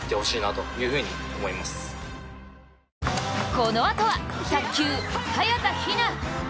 このあとは、卓球、早田ひな。